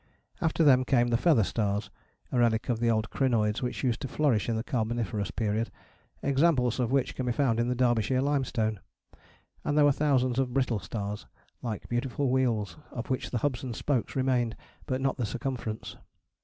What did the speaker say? After them came the feather stars, a relic of the old crinoids which used to flourish in the carboniferous period, examples of which can be found in the Derbyshire limestone; and there were thousands of brittle stars, like beautiful wheels of which the hubs and spokes remained, but not the circumference.